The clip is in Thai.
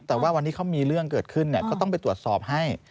แต่ว่าวันนี้เขามีเรื่องเกิดขึ้นก็ต้องไปตรวจสอบให้